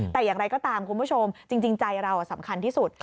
แต่อย่างไรก็ตามคุณผู้ชมจริงใจเราสำคัญที่สุด